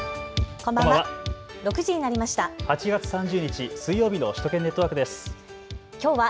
こんばんは。